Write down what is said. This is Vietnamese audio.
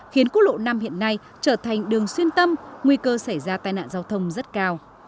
khiến quốc lộ năm hiện nay trở thành đường xuyên tâm nguy cơ xảy ra tai nạn giao thông rất cao